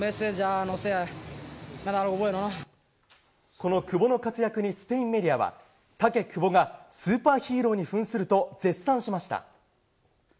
この久保の活躍にスペインメディアは「タケ・クボがスーパーヒーローに扮する」と絶賛しました。